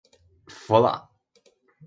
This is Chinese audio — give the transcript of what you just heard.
服了